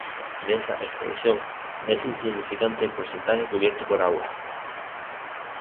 De esa extensión, es insignificante el porcentaje cubierto por aguas.